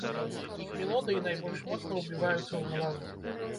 Іх мелодыі найбольш моцна ўбіваюцца ў галаву.